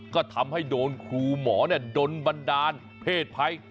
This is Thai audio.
ก็ทำให้โดนครูหมอโดนบันดาลเพศภัย